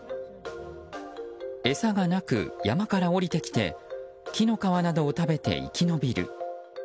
餌がなく山から下りてきて木の皮などを食べて生き延びる。